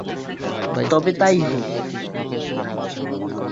তবে তাই হোক।